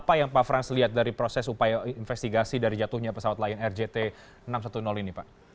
apa yang pak frans lihat dari proses upaya investigasi dari jatuhnya pesawat lion air jt enam ratus sepuluh ini pak